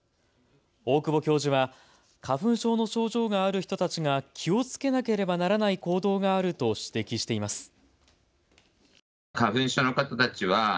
大久保教授は花粉症の症状がある人たちが気をつけなければならない行動があると指摘しています。